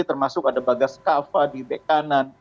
termasuk ada bagas kava di back kanan